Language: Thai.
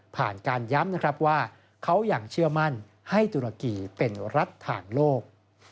ผ่านการย้ำนะครับว่าเขายังเชื่อมั่นให้ตุรกีเป็นรัฐฐานโลก